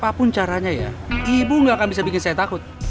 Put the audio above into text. apapun caranya ya ibu gak akan bisa bikin saya takut